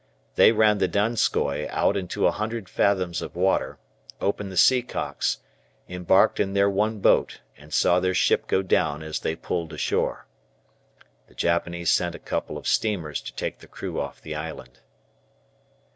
They ran the "Donskoi" out into a hundred fathoms of water, opened the sea cocks, embarked in their one boat, and saw their ship go down as they pulled ashore. The Japanese sent a couple of steamers to take the crew off the island.